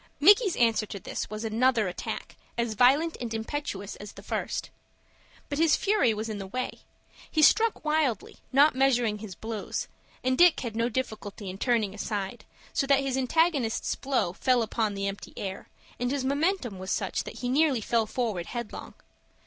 Micky's answer to this was another attack, as violent and impetuous as the first. But his fury was in the way. He struck wildly, not measuring his blows, and Dick had no difficulty in turning aside, so that his antagonist's blow fell upon the empty air, and his momentum was such that he nearly fell forward headlong.